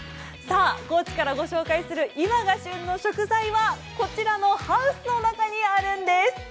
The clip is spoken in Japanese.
高知からご紹介する今が旬の食材はこちらのハウスの中にあるんです。